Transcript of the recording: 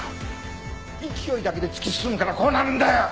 勢いだけで突き進むからこうなるんだよ！